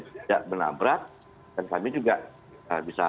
tidak menabrak dan kami juga bisa